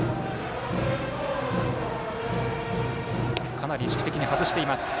かなり意識的に外しています。